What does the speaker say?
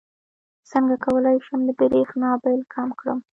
څنګه کولی شم د بریښنا بل کم کړم